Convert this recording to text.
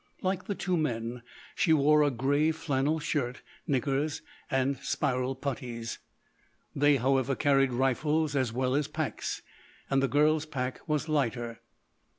Like the two men, she wore a grey flannel shirt, knickers, and spiral puttees. They, however, carried rifles as well as packs; and the girl's pack was lighter.